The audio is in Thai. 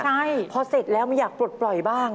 ใช่พอเสร็จแล้วไม่อยากปลดปล่อยบ้าง